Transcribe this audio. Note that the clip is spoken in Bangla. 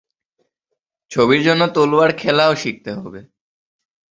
ছবির জন্য তরোয়াল খেলাও শিখতে হবে।